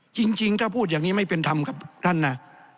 จริงถ้าพูดอย่างนี้ไม่เป็นธรรมครับท่านนะ